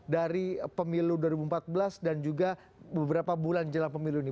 dari pemilu dua ribu empat belas dan juga beberapa bulan jelang pemilu ini